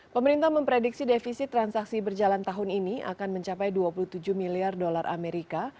pemerintah memprediksi defisit transaksi berjalan tahun ini akan mencapai dua puluh tujuh miliar dolar amerika